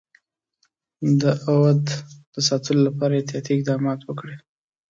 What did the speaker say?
د اَوَد د ساتلو لپاره احتیاطي اقدامات وکړي.